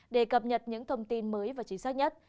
để cập nhật những thông tin mới và chính xác nhất